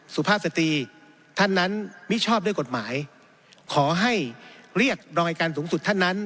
สุภาพสตรีท่านนั้นมิชอบด้วยกฎหมายขอให้เรียกรองอายการสูงสุดท่านนั้น